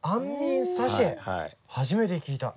初めて聞いた。